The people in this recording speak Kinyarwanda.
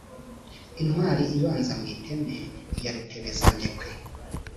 Intwali ibanza mu iteme ya Rutebezandekwe;